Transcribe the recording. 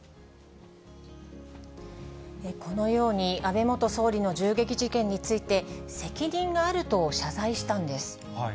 このように、安倍元総理の銃撃事件について、責任があると謝罪したんです。